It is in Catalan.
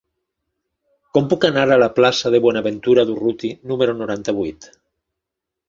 Com puc anar a la plaça de Buenaventura Durruti número noranta-vuit?